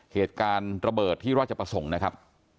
เหตุการณ์ระเบิดที่ราชประสงค์นะครับ